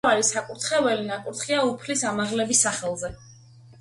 მთავარი საკურთხეველი ნაკურთხია უფლის ამაღლების სახელზე.